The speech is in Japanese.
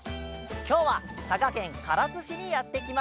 きょうはさがけんからつしにやってきました。